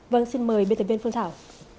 vâng xin mời biên tập viên phương thảo